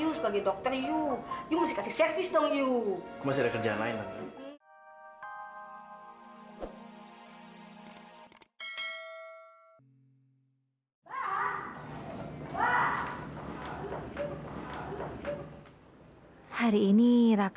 udah cukup ngobatin rasa kangen aku